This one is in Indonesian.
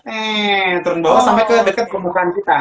eh turun bawah sampai dekat ke permukaan kita